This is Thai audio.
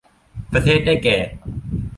ประเทศได้แก่